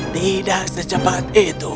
tidak secepat itu